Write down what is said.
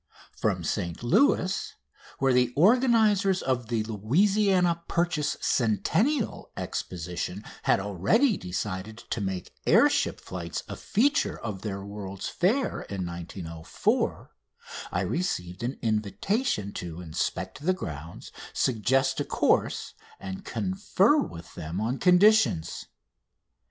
From St Louis, where the organisers of the Louisiana Purchase Centennial Exposition had already decided to make air ship flights a feature of their World's Fair in 1904, I received an invitation to inspect the grounds, suggest a course, and confer with them on conditions.